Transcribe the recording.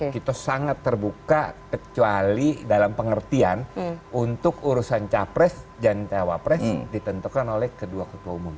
kita sangat terbuka kecuali dalam pengertian untuk urusan capres dan cawapres ditentukan oleh kedua ketua umum